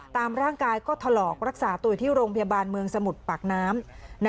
ตามร่างกายก็ถลอกรักษาตัวอยู่ที่โรงพยาบาลเมืองสมุทรปากน้ำ